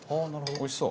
おいしそう。